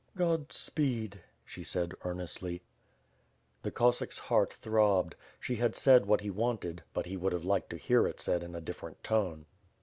"God speed," she said earnestly. The Cossack's heart throbbed. She had said what he wanted, but he would have liked to hear it said in a different tone.